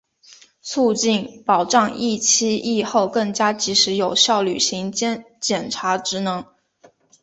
促进、保障疫期、疫后更加及时有效履行检察职能